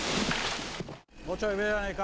もうちょい上じゃないか。